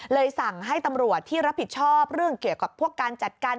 สั่งให้ตำรวจที่รับผิดชอบเรื่องเกี่ยวกับพวกการจัดการ